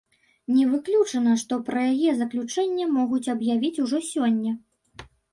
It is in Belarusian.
Не выключана, што пра яе заключэнне могуць аб'явіць ужо сёння.